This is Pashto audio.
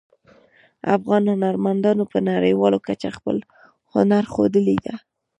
افغان هنرمندانو په نړیواله کچه خپل هنر ښودلی ده